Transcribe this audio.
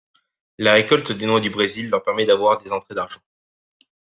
La récolte des noix du Brésil leur permet d'avoir des entrées d'argent.